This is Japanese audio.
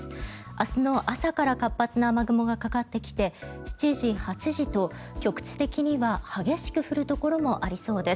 明日の朝から活発な雨雲がかかってきて７時、８時と局地的には激しく降るところもありそうです。